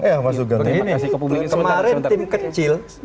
kemarin tim kecil